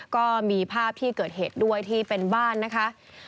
ก็มีภาพที่เกิดเหตุด้วยที่เป็นบ้านนะคะ